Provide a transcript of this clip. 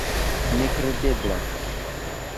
Nekredeblas.